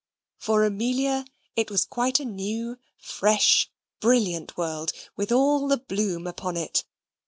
For Amelia it was quite a new, fresh, brilliant world, with all the bloom upon it.